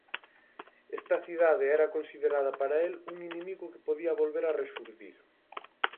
Esta cidade era considerada para el un inimigo que podía volver a rexurdir.